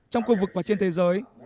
trong khu vực và trên thế giới